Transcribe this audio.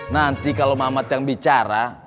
nanti kalau mamat yang bicara